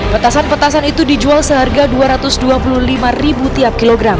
petasan petasan itu dijual seharga rp dua ratus dua puluh lima tiap kilogram